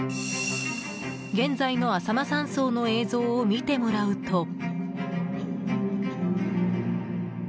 現在のあさま山荘の映像を見てもらうと。